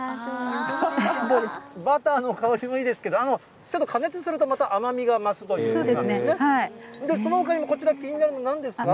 バターの香りもいいですけど、ちょっと加熱すると、また甘みが増すということなんですね。